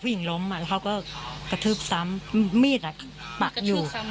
พี่หญิงล้มเขาก็กระทืบซ้ำมีดล้มปักอยู่